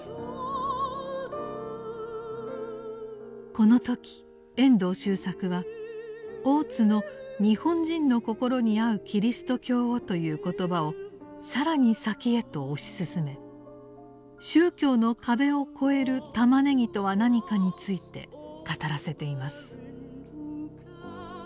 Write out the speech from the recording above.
この時遠藤周作は大津の「日本人の心に合うキリスト教を」という言葉を更に先へと推し進め宗教の壁を越える「玉ねぎ」とは何かについて語らせています。